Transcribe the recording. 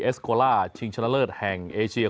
สโคล่าชิงชนะเลิศแห่งเอเชีย